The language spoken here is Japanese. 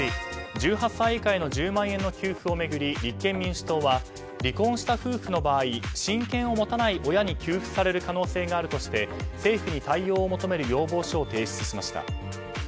１８歳以下への１０万円の給付を巡り立憲民主党は離婚した夫婦の場合親権を持たない親に給付される可能性があるとして政府に対応を求める要望書を提出しました。